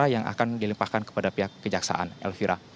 yang akan dilimpahkan kepada pihak kejaksaan elvira